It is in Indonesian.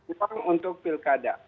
uang untuk pilkada